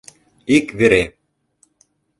Ик вере: